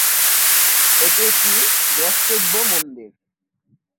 এটি একটি দ্রষ্টব্য মন্দির।